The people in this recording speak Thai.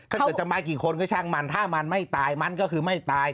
ถ้าเกิดจะมากี่คนก็ช่างมันถ้ามันไม่ตายมันก็คือไม่ตาย